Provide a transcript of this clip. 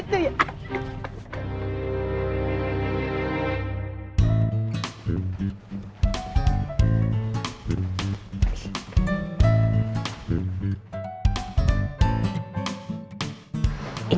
sesuai dengan keinginan